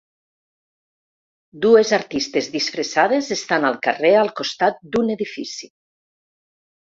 Dues artistes disfressades estan al carrer al costat d'un edifici.